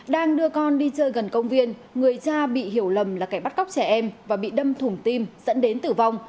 đang đưa con đi chơi gần công viên người cha bị hiểu lầm là kẻ bắt cóc trẻ em và bị đâm thủng tim dẫn đến tử vong